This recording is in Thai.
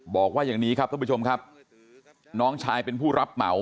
บอกว่าอย่างนี้ครับท่านผู้ชมครับน้องชายเป็นผู้รับเหมา